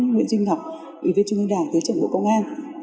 nguyễn duy ngọc ủy viên trung ương đảng thứ trưởng bộ công an